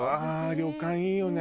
旅館いいよね。